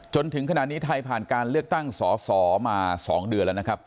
จนถึงขณะนี้ไทยผ่านการเลือกตั้งสอสอมา๒เดือนแล้วนะครับ